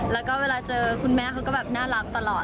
แล้วก็เวลาเจอคุณแม่เขาก็แบบน่ารักตลอด